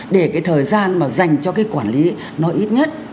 để cái thời gian mà dành cho cái quản lý nó ít nhất